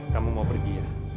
kamu mau pergi